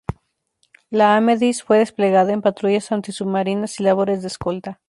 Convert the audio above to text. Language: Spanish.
La "Amethyst" fue desplegada en patrullas antisubmarinas y labores de escolta.